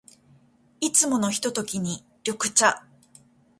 いつものひとときに、緑茶。